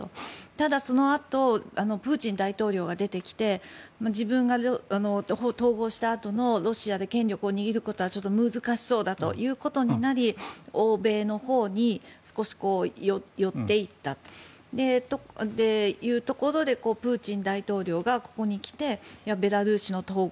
ただそのあとプーチン大統領が出てきて自分が統合したあとのロシアで権力を握ることはちょっと難しそうだということになり欧米のほうに少し寄っていったというところでプーチン大統領がここに来てベラルーシの統合。